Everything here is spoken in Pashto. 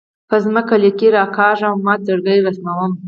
په ځمکه لیکې راکاږم او مات زړګۍ رسموم